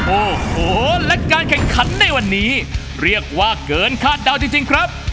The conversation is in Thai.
โอ้โหและการแข่งขันในวันนี้เรียกว่าเกินคาดเดาจริงครับ